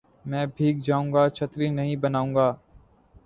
میں بھیگ جاؤں گا چھتری نہیں بناؤں گا